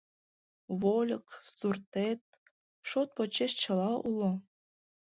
Вольык, суртет — шот почеш чыла уло.